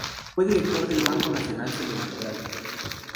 Fue director del Banco Nacional Cinematográfico.